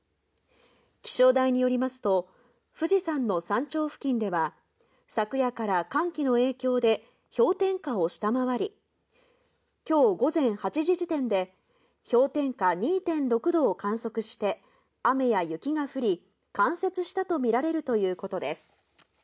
気象台によりますと、富士山の山頂付近では昨夜から寒気の影響で氷点下を下回り、今日午前８時時点で氷点下２．６度を観測して雨や雪が降り、冠雪したとみられるということです。